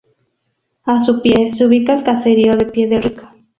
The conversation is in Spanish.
A su pie se ubica el caserío de Pie del Risco.